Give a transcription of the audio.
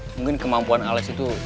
mungkin kemampuan alex itu